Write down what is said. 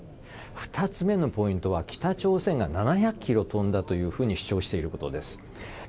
２つ目のポイントは北朝鮮が７００ｋｍ飛んだというふうに主張していることです。